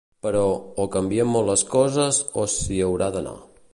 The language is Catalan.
Però, o canvien molt les coses o s’hi haurà d’anar.